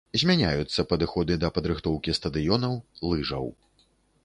Змяняюцца падыходы да падрыхтоўкі стадыёнаў, лыжаў.